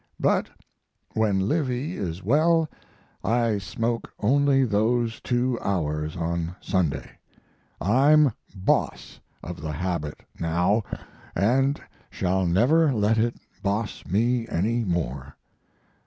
But when Livy is well I smoke only those two hours on Sunday. I'm boss of the habit now, and shall never let it boss me any more.